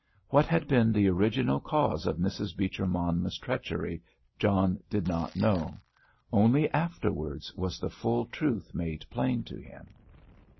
What had been the original cause of Mrs. Beecher Monmouth's treachery, John did not know; only afterwards was the full truth made plain to him.